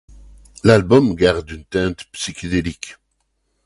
L’album garde une teinte psychédélique.